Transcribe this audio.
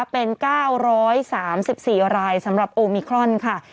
เป็น๙๓๔รายสำหรับโอมิครอนค่ะ